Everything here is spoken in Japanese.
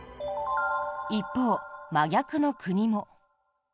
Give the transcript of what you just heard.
一方、真逆の国も。